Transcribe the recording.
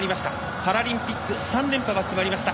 パラリンピック３連覇が決まりました。